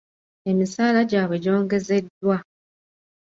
Emisaala gyabwe gyongezeddwa.